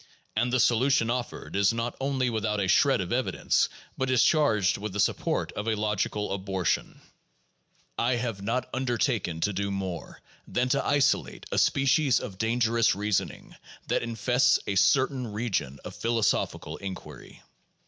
And the solution offered is not only without a shred of evidence, but is charged with the support of a logical abortion. I have not undertaken to do more than to isolate a species of dangerous reasoning that infests a certain region of philosophical inquiry.